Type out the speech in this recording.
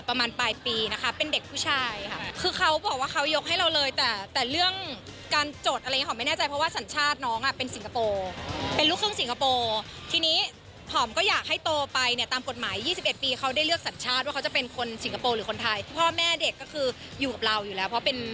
ประมาณปลายปีนะคะเป็นเด็กผู้ชายค่ะคือเขาบอกว่าเขายกให้เราเลยแต่แต่เรื่องการจดอะไรอย่างนี้หอมไม่แน่ใจเพราะว่าสัญชาติน้องอ่ะเป็นสิงคโปร์เป็นลูกครึ่งสิงคโปร์ทีนี้หอมก็อยากให้โตไปเนี่ยตามกฎหมาย๒๑ปีเขาได้เลือกสัญชาติว่าเขาจะเป็นคนสิงคโปร์หรือคนไทยพ่อแม่เด็กก็คืออยู่กับเราอยู่แล้วเพราะเป็น